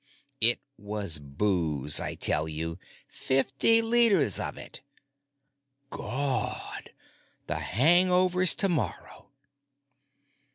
It was booze, I tell you. Fifty liters of it." "Gawd! The hangovers tomorrow."